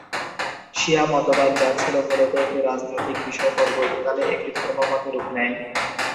শিয়া মতবাদ যা ছিল মূলত একটি রাজনৈতিক বিষয় পরবর্তীকালে একটি ধর্মমতে রূপ নেয়।